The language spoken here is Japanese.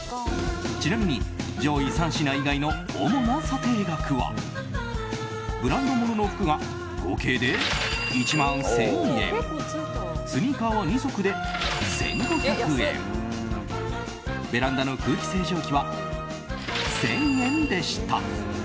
ちなみに上位３品以外の主な査定額はブランドものの服が合計で１万１０００円スニーカーは２足で１５００円ベランダの空気清浄機は１０００円でした。